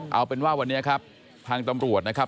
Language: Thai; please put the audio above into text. เอาเป็นว่าวันนี้ครับทางตำรวจนะครับ